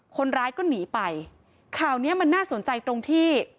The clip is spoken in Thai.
คนร้ายก็หนีไปข่าวเนี้ยมันน่าสนใจตรงที่